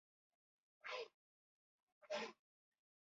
تر لمانځه او دعا وروسته بسونو حرکت وکړ.